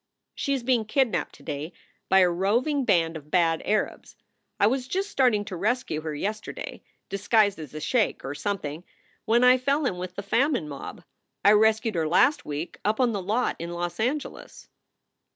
"She is being kidnaped to day by a roving band of bad Arabs. I was just starting to rescue her yesterday, disguised as a sheik or something, when I fell in with the famine mob. I rescued her last week up on the lot in Los Angeles."